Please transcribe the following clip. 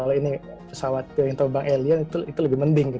kalau ini ufo kalau ini pesawat yang terbang alien itu lebih mending